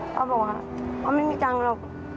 ป้าบอกว่าป้าไม่มีจังหรอก